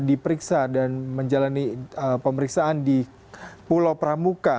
diperiksa dan menjalani pemeriksaan di pulau pramuka